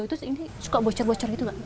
terus ini suka bocor bocor gitu gak